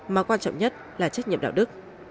mà quan trọng nhất là trách nhiệm đạo đức